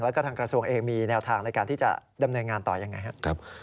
แล้วก็ทางกระทรวงเองมีแนวทางในการที่จะดำเนินงานต่อยังไงครับ